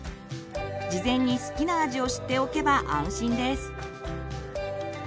事前に好きな味を知っておけば安心です。